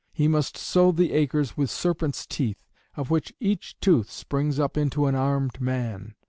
He must sow the acres with serpents' teeth, of which each tooth springs up into an armed man.